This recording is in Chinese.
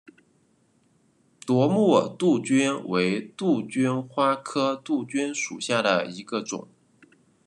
夺目杜鹃为杜鹃花科杜鹃属下的一个种。